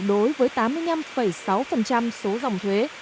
đối với tám mươi năm sáu số dòng thuế